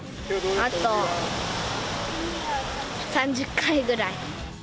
あと、３０回ぐらい。